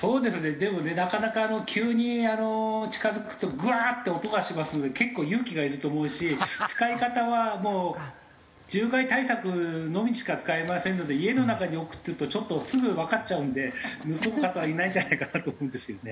でもねなかなか急にあの近付くとグワー！って音がしますので結構勇気がいると思うし使い方はもう獣害対策のみにしか使えませんので家の中に置くっていうとちょっとすぐわかっちゃうんで盗む方はいないんじゃないかなと思うんですよね。